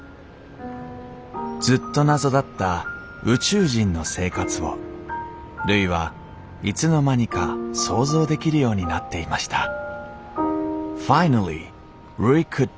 ずっと謎だった宇宙人の生活をるいはいつの間にか想像できるようになっていました。